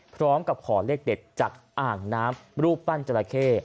พร้อมกับขอเลขเด็ดจากอ่างน้ำรูปปั้นจราเข้